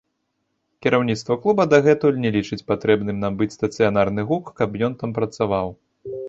Кіраўніцтва клуба дагэтуль не лічыць патрэбным набыць стацыянарны гук, каб ён там працаваў.